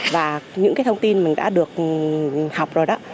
và những cái thông tin mình đã được học rồi đó